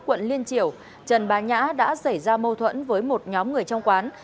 quận liên triều trần bá nhã đã xảy ra mâu thuẫn với một nhóm người trong quán